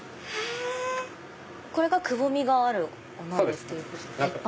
これがくぼみがあるお鍋っていうか鉄板か。